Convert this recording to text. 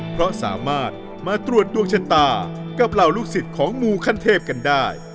เพราะสามารถมาตรวจดวงชะตากับเหล่าลูกศิษย์ของมูขั้นเทพกันได้